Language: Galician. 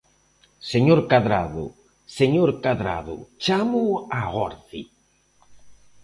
¡Señor Cadrado!, ¡señor Cadrado, chámoo á orde!